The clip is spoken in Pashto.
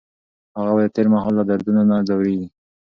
هغه به د تېر مهال له دردونو نه ځوریږي.